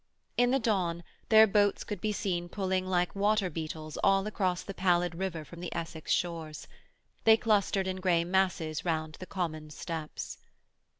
In the dawn their boats could be seen pulling like water beetles all across the pallid river from the Essex shores. They clustered in grey masses round the common steps.